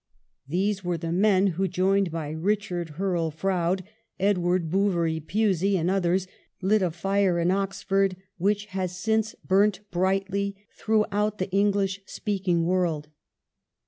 These were the men who, joined by Richard Hurrell Froude, Edward Bouverie Pusey, and others, lit ^fire in Oxford which has since burnt brightly throughout the flaglish speaking world.